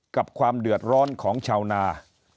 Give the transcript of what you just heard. ความเดือดร้อนของชาวนา